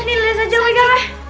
utama saya adalah